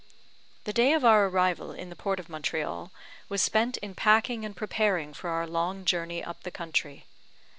The day of our arrival in the port of Montreal was spent in packing and preparing for our long journey up the country.